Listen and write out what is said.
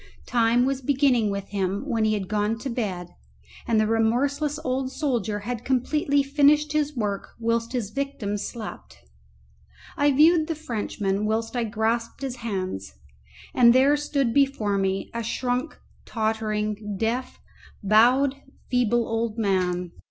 Time was beginning with him when he had gone to bed, and the remorseless old soldier had completely finished his work whilst his victim slept. I viewed the Frenchman whilst I grasped his hands, and there stood before me a shrunk, tottering, deaf, bowed, feeble old man.